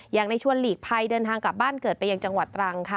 อย่างในชวนหลีกภัยเดินทางกลับบ้านเกิดไปยังจังหวัดตรังค่ะ